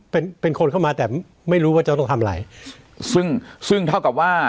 เป็นเป็นคนเข้ามาแต่ไม่รู้ว่าจะต้องทำอะไรซึ่งซึ่งเท่ากับว่า